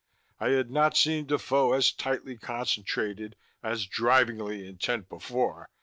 I had not seen Defoe as tightly concentrated, as drivingly intent, before.